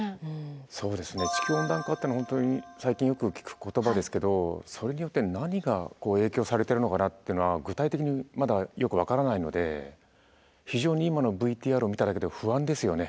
そうですね地球温暖化っていうのは本当に最近よく聞く言葉ですけどそれによって何が影響されてるのかなっていうのは具体的にまだよく分からないので非常に今のＶＴＲを見ただけで不安ですよね。